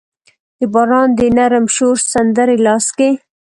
د باران د نرم شور سندرې لاس کې